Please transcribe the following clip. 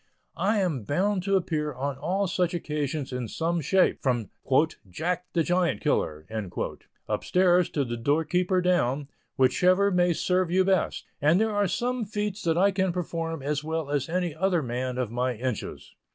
I am bound to appear on all such occasions in some shape, from "Jack the Giant Killer," up stairs, to the doorkeeper down, whichever may serve you best; and there are some feats that I can perform as well as any other man of my inches.